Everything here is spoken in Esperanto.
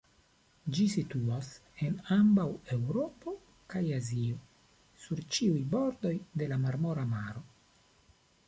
Ĝi situas en ambaŭ Eŭropo kaj Azio sur ĉiuj bordoj de la Marmora Maro.